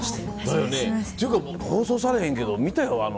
だよねていうか放送されへんけど見たよ